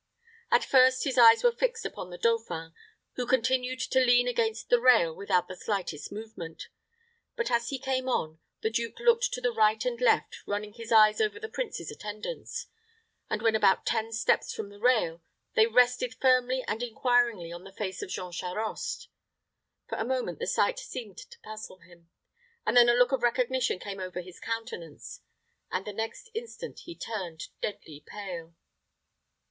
At first his eyes were fixed upon the dauphin, who continued to lean against the rail without the slightest movement; but as he came on, the duke looked to the right and left, running his eyes over the prince's attendants, and when about ten steps from the rail, they rested firmly and inquiringly on the face of Jean Charost. For a moment the sight seemed to puzzle him; but then a look of recognition came over his countenance; and the next instant he turned deadly pale.